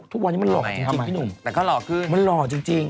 ทุกวันนี้มันหล่อจริงพี่หนุ่มแต่ก็หล่อขึ้นมันหล่อจริง